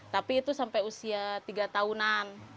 tapi itu sampai usia tiga tahunan